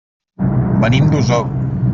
Venim d'Osor.